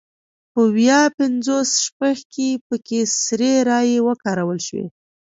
په ویا پینځوس شپږ کې پکې سري رایې وکارول شوې.